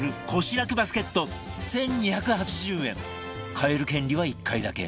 買える権利は１回だけ